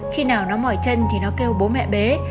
khi nào nó mỏi chân thì nó kêu bố mẹ bé